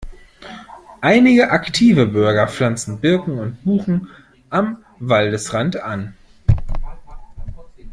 Einige aktive Bürger pflanzen Birken und Buchen am Waldesrand an.